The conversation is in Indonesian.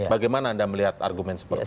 bagaimana anda melihat argumen seperti itu